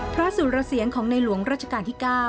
สุรเสียงของในหลวงราชการที่๙